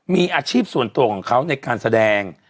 มีอาชีพส่วนตัวของเขาในการแสดง